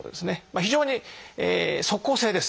非常に即効性です。